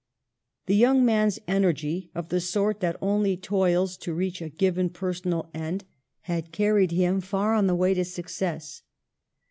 The young man's energy, of the sort that only toils to reach a given personal end, had carried PARENTAGE. 1 5 him far on the way to success.